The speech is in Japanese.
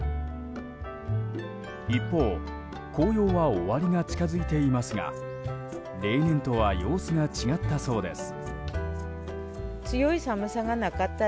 一方、紅葉は終わりが近づいていますが例年とは様子が違ったそうです。